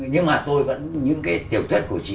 nhưng mà tôi vẫn những cái tiểu thuyết của chị